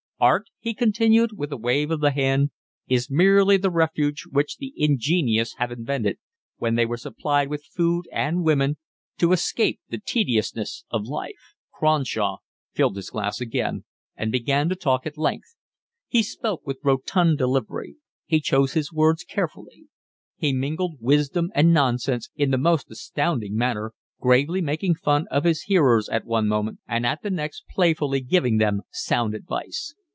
"Art," he continued, with a wave of the hand, "is merely the refuge which the ingenious have invented, when they were supplied with food and women, to escape the tediousness of life." Cronshaw filled his glass again, and began to talk at length. He spoke with rotund delivery. He chose his words carefully. He mingled wisdom and nonsense in the most astounding manner, gravely making fun of his hearers at one moment, and at the next playfully giving them sound advice.